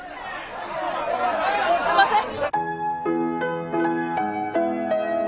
すんません。